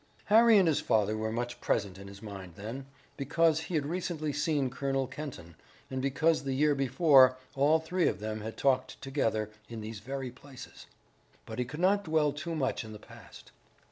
Harry and his father were much present in his mind then, because he had recently seen Colonel Kenton, and because the year before, all three of them had talked together in these very places. But he could not dwell too much in the past.